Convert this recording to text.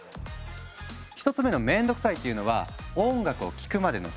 １つ目の「面倒くさい」っていうのは「音楽を聴くまでの手間」。